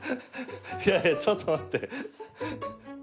いやいやちょっと待って。